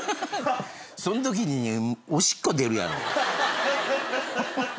そんときにおしっこ出るやろ。